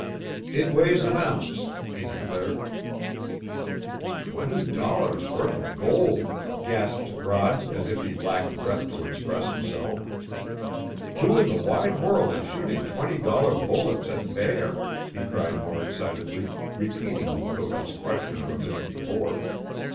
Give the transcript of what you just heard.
"It weighs an ounce," he declared. "Twenty dollars' worth of gold!" gasped Rod, as if he lacked breath to express himself. "Who in the wide world is shooting twenty dollar bullets at bear?" he cried more excitedly, repeating Mukoki's question of a minute before.